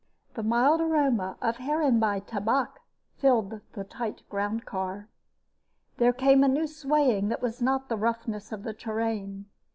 The mild aroma of Heerenbaai Tabak filled the airtight groundcar. There came a new swaying that was not the roughness of the terrain.